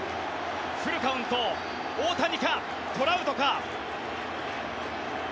フルカウント大谷か、トラウトか。